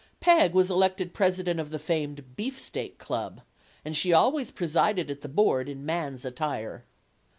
Peg was elected president of the famed Beefsteak Club, and she always presided at the board in man's attire.